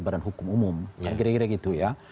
badan hukum umum kira kira begitu ya